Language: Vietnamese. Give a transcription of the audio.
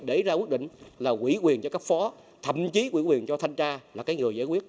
để ra quyết định là quỹ quyền cho cấp phó thậm chí quỹ quyền cho thanh tra là cái người giải quyết